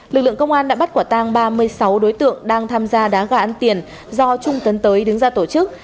lực lượng công an đã bắt quả tang ba mươi sáu đối tượng đang tham gia đá gà ăn tiền do trung tấn tới đứng ra tổ chức